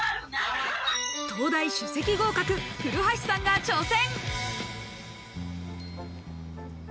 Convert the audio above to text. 東大首席合格、古橋さんが挑戦。